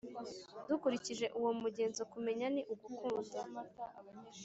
dukurikije uwo mugenzo, kumenya ni ugukunda.